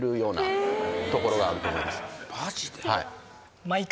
マジで？